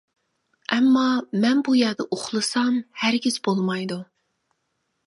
ئەمما مەن بۇ يەردە ئۇخلىسام ھەرگىز بولمايدۇ.